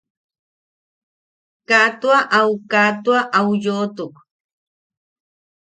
Kaa tua au kaa tua au yoʼotuk.